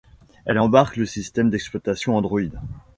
Elle embarque le système d'exploitation Android.